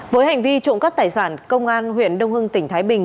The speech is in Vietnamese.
với hành vi trộm cắp tài sản công an huyện đông hưng tỉnh thái bình